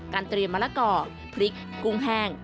การเตรียมมะละกอเผลอพริกกุ้งแห้ง